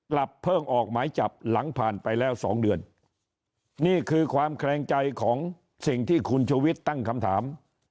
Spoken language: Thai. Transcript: เพิ่งออกหมายจับหลังผ่านไปแล้วสองเดือนนี่คือความแคลงใจของสิ่งที่คุณชุวิตตั้งคำถาม